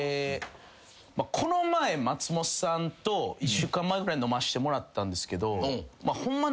この前松本さんと一週間前ぐらい飲ましてもらったんですけどホンマ